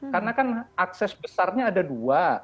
karena kan akses besarnya ada dua